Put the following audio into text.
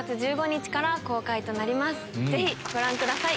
ぜひご覧ください。